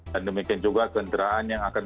dan demikian juga kenderaan yang akan